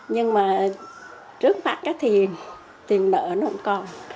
nhưng mà trước mặt cái tiền tiền nợ nó không còn